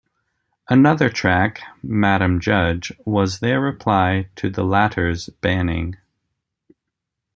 Another track, "Madam Judge", was their reply to the latter's banning.